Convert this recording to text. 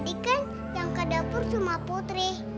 tadi kan yang ke dapur cuma putri